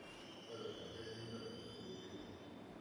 為了展現新政府的決心